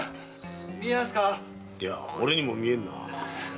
いや俺にも見えんな。